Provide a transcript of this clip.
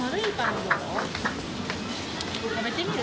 食べてみる？